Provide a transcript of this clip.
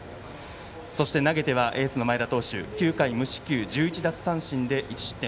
そして投げてはエースの前田投手、９回無四球１１奪三振で１失点。